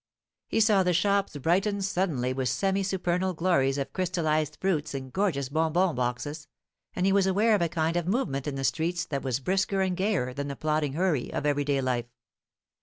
He saw the shops brighten suddenly with semi supernal glories of crystallized fruits and gorgeous bonbon boxes, and he was aware of a kind of movement in the streets that was brisker and gayer than the plodding hurry of everyday life.